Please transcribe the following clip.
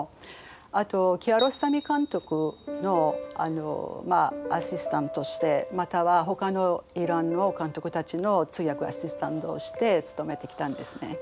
あとキアロスタミ監督のアシスタントしてまたはほかのイランの監督たちの通訳アシスタントをして勤めてきたんですね。